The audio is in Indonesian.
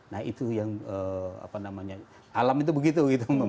nah itu yang apa namanya alam itu begitu